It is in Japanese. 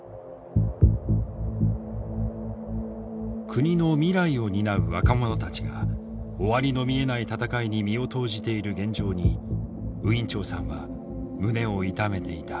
国の未来を担う若者たちが終わりの見えない戦いに身を投じている現状にウィン・チョウさんは胸を痛めていた。